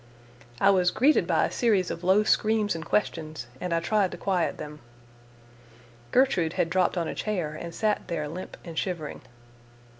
I was greeted by a series of low screams and questions, and I tried to quiet them. Gertrude had dropped on a chair and sat there limp and shivering.